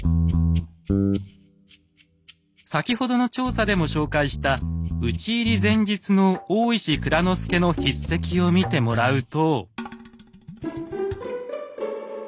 先ほどの調査でも紹介した討ち入り前日の大石内蔵助の筆跡を見てもらうと。